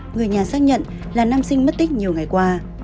người nhà xác nhận là nam sinh mất tích nhiều ngày qua